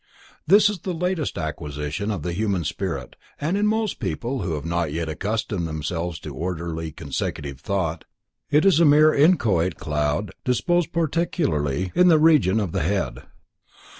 _ This is the latest acquisition of the human spirit, and in most people who have not yet accustomed themselves to orderly, consecutive thought, it is a mere inchoate cloud disposed particularly in the region of the head.